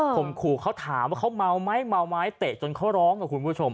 ผมขู่เขาถามว่าเขาเมาไหมเมาไม้เตะจนเขาร้องกับคุณผู้ชม